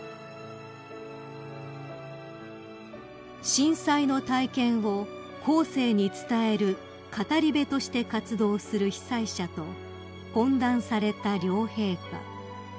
［震災の体験を後世に伝える語り部として活動する被災者と懇談された両陛下］